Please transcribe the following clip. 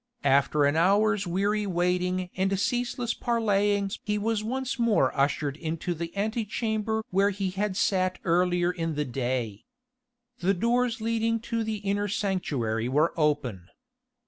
After an hour's weary waiting and ceaseless parleyings he was once more ushered into the antechamber where he had sat earlier in the day. The doors leading to the inner sanctuary were open.